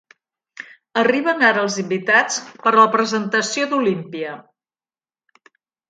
Arriben ara els invitats per a la presentació d'Olympia.